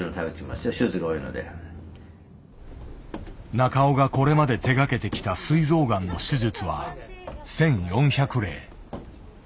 中尾がこれまで手がけてきたすい臓がんの手術は１，４００例。